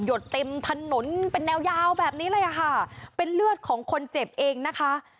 ดเต็มถนนเป็นแนวยาวแบบนี้เลยอ่ะค่ะเป็นเลือดของคนเจ็บเองนะคะ